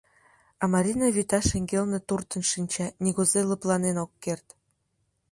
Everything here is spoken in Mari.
А Марина вӱта шеҥгелне туртын шинча, нигузе лыпланен ок керт.